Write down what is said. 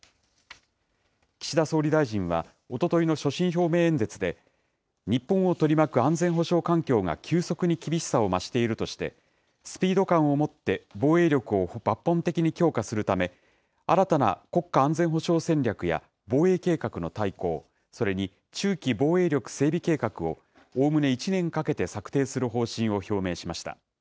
岸田総理大臣は、おとといの所信表明演説で、日本を取り巻く安全保障環境が急速に厳しさを増しているとして、スピード感を持って、防衛力を抜本的に強化するため、新たな国家安全保障戦略や、防衛計画の大綱、それに中期防衛力整備計画をおおむね１年かけて策定する方針を表明しました。